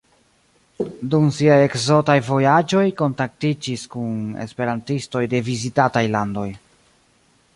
Dum siaj ekzotaj vojaĝoj kontaktiĝis kun esperantistoj de vizitataj landoj.